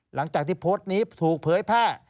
หลังจากที่โพสต์นี้ถูกเผยแพร่